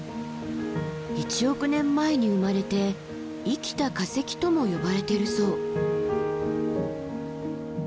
１億年前に生まれて生きた化石とも呼ばれてるそう。